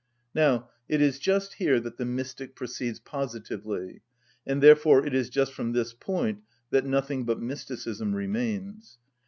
Now it is just here that the mystic proceeds positively, and therefore it is just from this point that nothing but mysticism remains.